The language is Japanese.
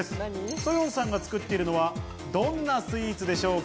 Ｓｏｙｏｎさんが作っているのはどんなスイーツでしょうか？